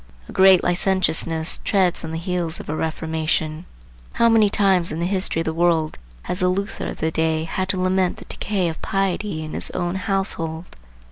A great licentiousness treads on the heels of a reformation. How many times in the history of the world has the Luther of the day had to lament the decay of piety in his own household!